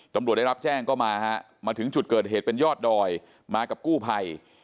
ตำรวจได้รับแจ้งก็มาฮะมาถึงจุดเกิดเหตุเป็นยอดดอยมากับกู้ภัย